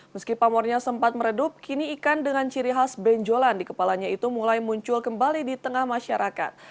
meski pamornya sempat meredup kini ikan dengan ciri khas benjolan di kepalanya itu mulai muncul kembali di tengah masyarakat